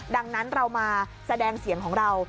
ดังนั้นเรามาแสดงเสียงของเรา